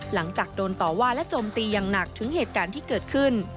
หลังจากโดนต่อว่าและโจมตีอย่างหนักถึงเหตุการณ์ที่เกิดขึ้น